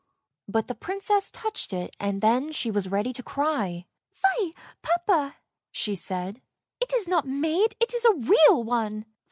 But the Princess touched it, and then she was ready to cry. " Fie, papa! " she said; " it is not made, it is a real one!